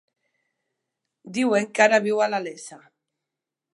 Diuen que ara viu a la Iessa.